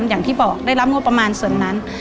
อย่างที่บอกได้รับงบประมาณส่วนนั้น